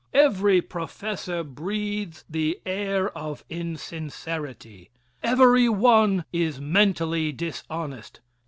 Every professor breathes the air of insincerity. Every one is mentally dishonest.